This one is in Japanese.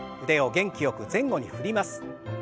腕を元気よく前後に振ります。